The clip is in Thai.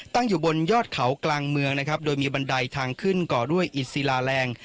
ตั้งอยู่บนยอดเขากลางเมืองนะครับโดยมีบันไดทางขึ้นก่อด้วยอิศิลาแรง